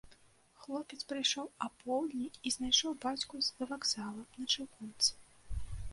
Хлопец прыйшоў апоўдні і знайшоў бацьку за вакзалам, на чыгунцы.